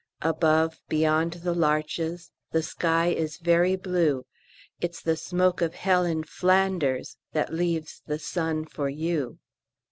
Above, beyond the larches, The sky is very blue; 'It's the smoke of hell in Flanders That leaves the sun for you.'"